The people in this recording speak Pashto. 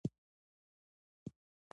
غریبې عیب نه دی.